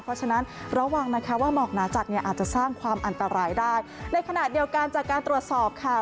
เพราะฉะนั้นระวังนะคะว่าหมอกหนาจัดเนี่ยอาจจะสร้างความอันตรายได้ในขณะเดียวกันจากการตรวจสอบค่ะ